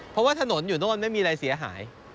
เพราะว่าถนนอยู่โน่นไม่มีอะไรเสียหาย